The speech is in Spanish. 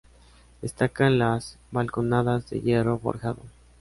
Destacan las balconadas de hierro forjado.